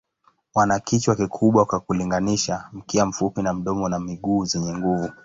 Wana kichwa kikubwa kwa kulinganisha, mkia mfupi na domo na miguu zenye nguvu.